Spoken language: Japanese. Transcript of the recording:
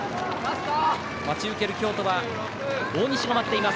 待ち受ける京都は大西が待っています。